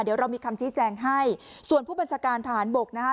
เดี๋ยวเรามีคำชี้แจงให้ส่วนผู้บัญชาการทหารบกนะคะ